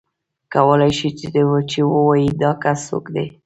کولای شې چې ووایې دا کس څوک دی.